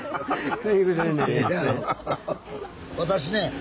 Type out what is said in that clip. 私ね